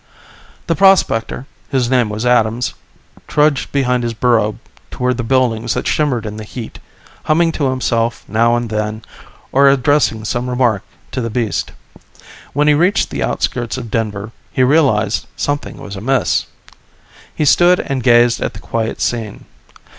The prospector, whose name was Adams, trudged behind his burro toward the buildings that shimmered in the heat, humming to himself now and then or addressing some remark to the beast. When he reached the outskirts of Denver he realized something was amiss. He stood and gazed at the quiet scene.